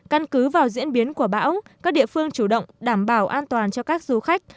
căn cứ vào diễn biến của bão các địa phương chủ động đảm bảo an toàn cho các du khách